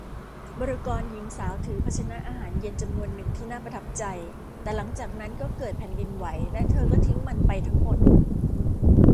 บริกรหญิงสาวถือภาชนะอาหารเย็นจำนวนหนึ่งที่น่าประทับใจ แต่หลังจากนั้นก็เกิดแผ่นดินไหวและเธอก็ทิ้งมันไปทั้งหมด